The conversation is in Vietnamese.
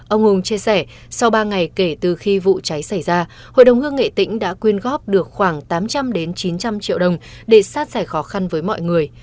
ông hùng chia sẻ sau ba ngày kể từ khi vụ cháy xảy ra hội đồng hương nghệ tĩnh đã quyên góp được khoảng tám trăm linh chín trăm linh triệu đồng để sát giải khó khăn với mọi người